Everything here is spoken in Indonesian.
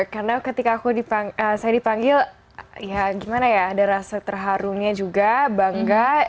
karena ketika saya dipanggil ya gimana ya ada rasa terharunya juga bangga